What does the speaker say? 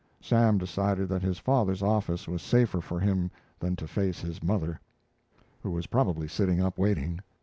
Sam decided that his father's office was safer for him than to face his mother, who was probably sitting up, waiting.